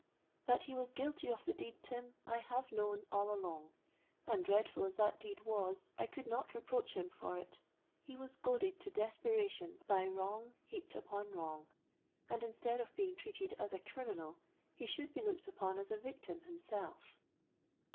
That he was guilty of the deed, Tim, I have known all along; and, dreadful as that deed was, I could not reproach him for it. He was goaded to desperation by wrong heaped upon wrong; and, instead of being treated as a criminal, he should be looked upon as a victim himself.'